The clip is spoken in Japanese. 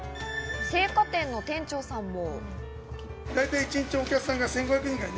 青果店の店長さんも。